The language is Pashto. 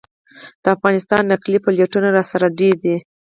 د افغانستان نقلي پلېټونه راسره ډېر دي.